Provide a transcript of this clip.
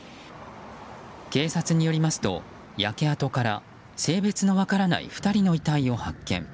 警察によりますと焼け跡から性別の分からない２人の遺体を発見。